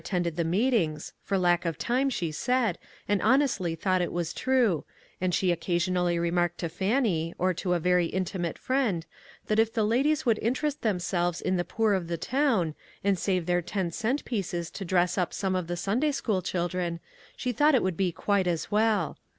163 tended the meetings — for lack of time, she said, and honestly thought it was true, and she occasionally remarked to Fannie, or to a very intimate friend, that if the ladies would interest themselves in the poor of the town, and save their ten cent pieces to dress up some of the Sunday school children, she thought it would be quite as well.